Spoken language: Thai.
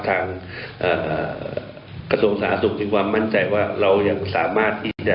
ทางกระทรวงศาสตร์ถูกมีความมั่นใจว่าเรายังสามารถที่จะดูแล